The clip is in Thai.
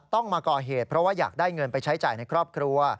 ต้องมาก่อเหตุเพราะว่าอยากได้เงินไปใช้จ่ายในครอบครัว